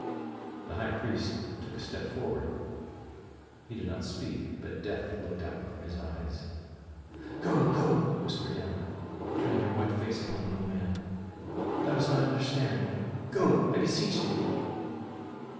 The High Priest took a step forward; he did not speak, but death looked out from his eyes. "Go! Go!" whispered Anna, turning her white face upon the young man. "Thou dost not understand, but go! I beseech thee."